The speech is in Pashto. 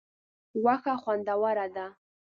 غوښه خوندوره ده.